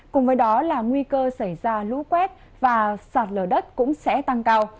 cùng với đó là nguy cơ xảy ra lũ quét và sạt lở đất cũng sẽ tăng cao